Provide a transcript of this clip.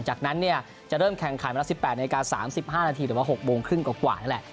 จากนั้นเนี่ยจะเริ่มแข่งขันเวลา๑๘นาที๓๕นาทีหรือว่า๖โมงครึ่งกว่านี่แหละ